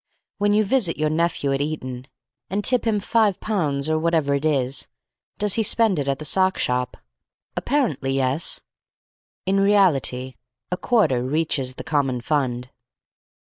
When you visit your nephew at Eton, and tip him five pounds or whatever it is, does he spend it at the sock shop? Apparently, yes. In reality, a quarter reaches the common fund.